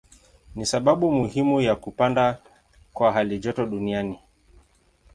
Ni sababu muhimu ya kupanda kwa halijoto duniani.